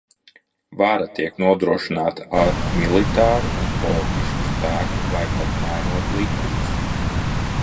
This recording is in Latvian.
Vara tiek nodrošināta ar militāru un politisku spēku, vai pat mainot likumus.